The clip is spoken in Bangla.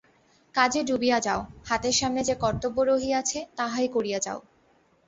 কাজে ডুবিয়া যাও, হাতের সামনে যে কর্তব্য রহিয়াছে, তাহাই করিয়া যাও।